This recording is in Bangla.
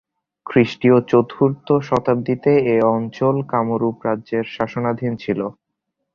খ্রিষ্টীয় চতুর্থ শতাব্দীতে এ অঞ্চল কামরূপ রাজ্যের শাসনাধীন ছিল।